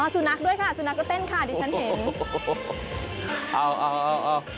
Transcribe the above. สุนัขด้วยค่ะสุนัขก็เต้นค่ะดิฉันเห็น